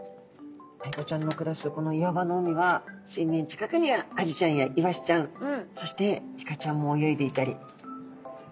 アイゴちゃんの暮らすこの岩場の海は水面近くにはアジちゃんやイワシちゃんそしてイカちゃんも泳いでいたり。